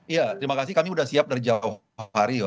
iya terima kasih kami sudah siap dari jauh hari